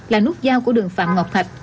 là nút giao của đường phạm ngọc thạch